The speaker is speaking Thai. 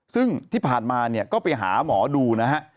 ซึ่งที่ผ่านมาก็ไปหาหมอดูนะครับ